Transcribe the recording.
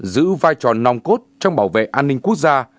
giữ vai trò nòng cốt trong bảo vệ an ninh quốc gia